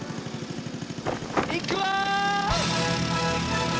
いくわ！